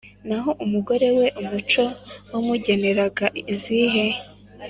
Naho umugore we umuco wamugeneraga izihe?